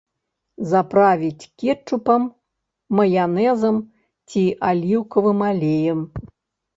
Заправіць кетчупам, маянэзам ці аліўкавым алеем.